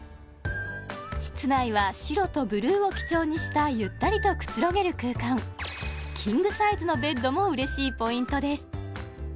室内は白とブルーを基調にしたゆったりとくつろげる空間キングサイズのベッドも嬉しいポイントです